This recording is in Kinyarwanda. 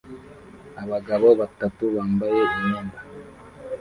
Abagabo batatu bambaye imyenda